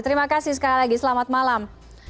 terima kasih sekali lagi selamat malam